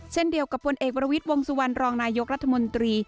เช่นเดียวกับผลเอกประวิทย์วงสุวรรณรองนายกรัฐมนตรี